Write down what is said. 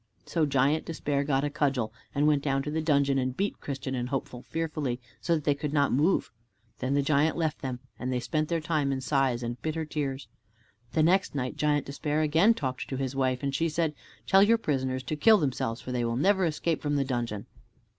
So Giant Despair got a cudgel, and went down to the dungeon and beat Christian and Hopeful fearfully, so that they could not move. Then the giant left them, and they spent their time in sighs and bitter tears. The next night Giant Despair again talked to his wife, and she said, "Tell your prisoners to kill themselves, for they will never escape from the dungeon."